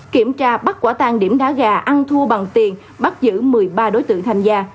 kiểm tra bắt quả tang điểm đá gà ăn thua bằng tiền bắt giữ một mươi ba đối tượng tham gia